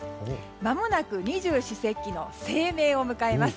まもなく二十四節気の清明を迎えます。